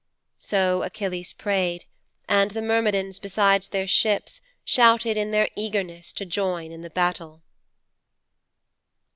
'So Achilles prayed, and the Myrmidons beside their ships shouted in their eagerness to join in the battle.'